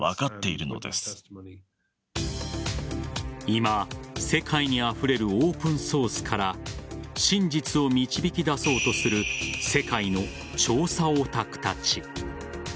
今、世界にあふれるオープンソースから真実を導き出そうとする世界の調査オタクたち。